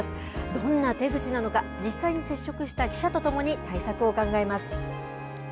どんな手口なのか、実際に接触した記者と共に対策を考えます。